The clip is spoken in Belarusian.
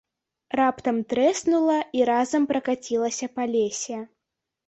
Раптам трэснула і разам пракацілася па лесе.